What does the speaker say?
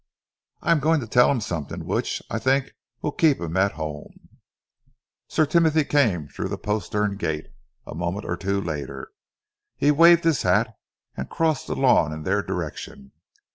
"I am going to tell him something which I think will keep him at home." Sir Timothy came through the postern gate, a moment or two later. He waved his hat and crossed the lawn in their direction.